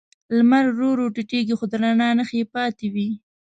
لمر ورو ورو پټیږي، خو د رڼا نښې یې پاتې وي.